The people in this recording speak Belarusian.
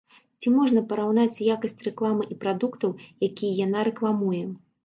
Ці можна параўнаць якасць рэкламы і прадуктаў, якія яна рэкламуе.